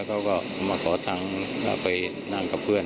เขาก็มาขอทางไปนั่งกับเพื่อน